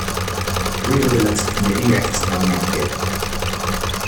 Ruido de la chiquillería que se ponía en pie.